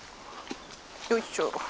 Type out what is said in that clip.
よいしょ！